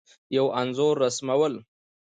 یو انځور رسمول